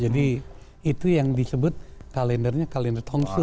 jadi itu yang disebut kalendernya kalender tongsu